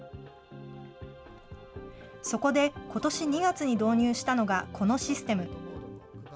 そこでことし２月に導入したのが、このシステム。